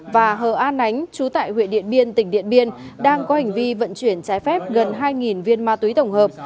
và hờ an ánh chú tại huyện điện biên tỉnh điện biên đang có hành vi vận chuyển trái phép gần hai viên ma túy tổng hợp